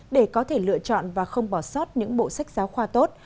để có thể lựa chọn và không bỏ sót những bộ sách giáo khoa tốt